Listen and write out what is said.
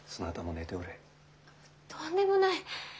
とんでもない。